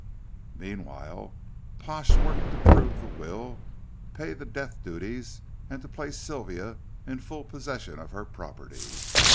Meanwhile Pash worked to prove the will, pay the death duties, and to place Sylvia in full possession of her property.